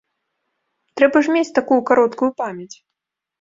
Трэба ж мець такую кароткую памяць!